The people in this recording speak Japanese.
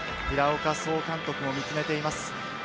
平岡総監督も見つめています。